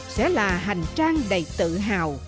sẽ là hành trang đầy tự hào